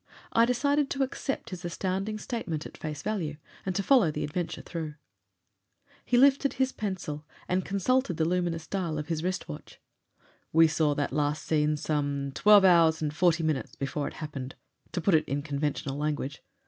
I decided to accept his astounding statement at face value and to follow the adventure through. He lifted his pencil and consulted the luminous dial of his wrist watch. "We saw that last scene some twelve hours and forty minutes before it happened to put it in conventional language.